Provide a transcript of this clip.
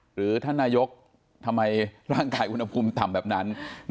หรือท่านนายกทำไมร่างกายอุณหภูมิต่ำแบบนั้น